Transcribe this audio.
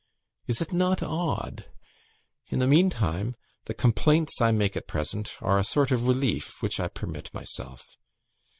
is it not odd? In the meantime, the complaints I make at present are a sort of relief which I permit myself.